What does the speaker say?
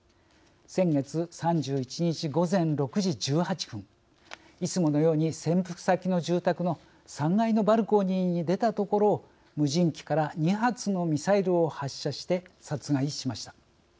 先月３１日、午前６時１８分いつものように潜伏先の住宅の３階のバルコニーに出たところを無人機から２発のミサイルを発射して殺害しました。